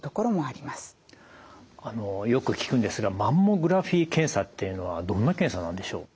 あのよく聞くんですがマンモグラフィー検査っていうのはどんな検査なんでしょう。